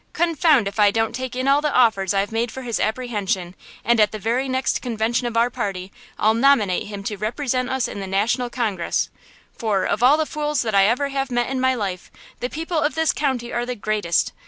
Confound if I don't take in all the offers I have made for his apprehension, and at the very next convention of our party I'll nominate him to represent us in the National Congress; for, of all the fools that ever I have met in my life, the people of this county are the greatest!